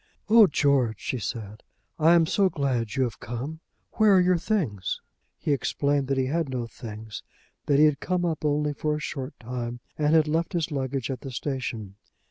"Oh, George," she said, "I am so glad you have come; where are your things?" He explained that he had no things, that he had come up only for a short time, and had left his luggage at the station.